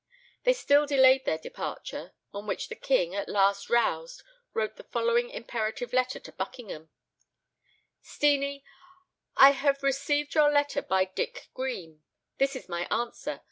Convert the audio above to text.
They still delayed their departure; on which the king, at last roused, wrote the following imperative letter to Buckingham: "STEENIE I have received your letter by Dick Greame. This is my answer.